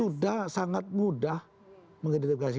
sudah sangat mudah mengidentifikasi